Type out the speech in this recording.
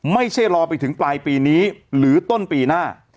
ไม่ใช่รอไปถึงปลายปีนี้หรือต้นปีหน้า